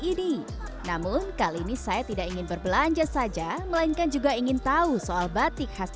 ini namun kali ini saya tidak ingin berbelanja saja melainkan juga ingin tahu soal batik khas